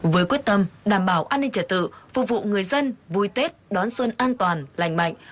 với quyết tâm đảm bảo an ninh trật tự phục vụ người dân vui tết đón xuân an toàn lành mạnh